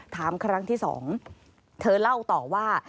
ครั้งที่๒เธอเล่าต่อว่า